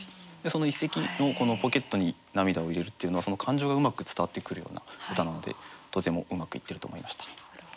その一席のこの「ポケットに涙を入れる」っていうのはその感情がうまく伝わってくるような歌なのでとてもうまくいってると思いました。